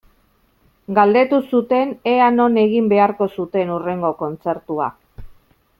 Galdetu zuten ea non egin beharko zuten hurrengo kontzertua.